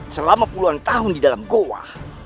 selama puluhan tahun di dalam goa